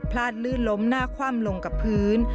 ลื่นล้มหน้าคว่ำลงกับพื้น